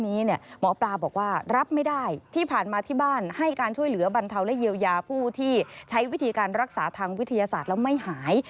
ที่ผ่านมาที่บ้านให้การช่วยเหลือบรรเทาและเยียวยาผู้ที่ใช้วิธีการรักษาทางวิทยาศาสตร์แล้วไม่หาย